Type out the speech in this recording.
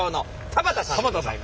田端さん。